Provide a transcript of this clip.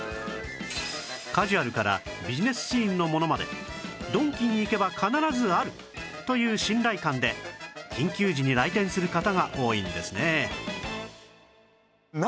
カジュアルからビジネスシーンのものまでドンキに行けば必ずある！という信頼感で緊急時に来店する方が多いんですね